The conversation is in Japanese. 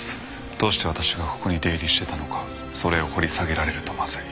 どうして私がここに出入りしてたのかそれを掘り下げられるとまずい。